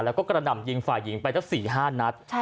แล้วก็กระดำยิงฝ่ายยิงไปเท่า๔๕นัท